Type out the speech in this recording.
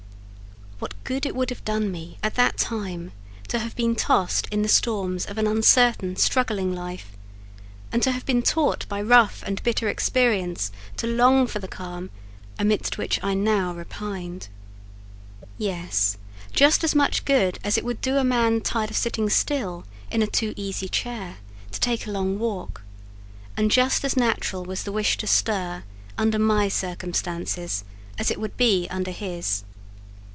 What good it would have done me at that time to have been tossed in the storms of an uncertain struggling life, and to have been taught by rough and bitter experience to long for the calm amidst which I now repined! Yes, just as much good as it would do a man tired of sitting still in a "too easy chair" to take a long walk: and just as natural was the wish to stir, under my circumstances, as it would be under his.